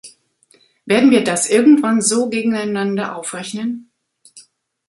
Werden wir das irgendwann so gegeneinander aufrechnen?